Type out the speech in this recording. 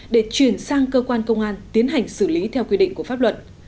để chuyển sang cơ quan công an tiến hành xử lý theo quy định của pháp luật